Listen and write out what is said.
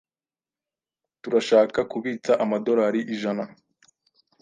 Turashaka kubitsa amadorari ijana.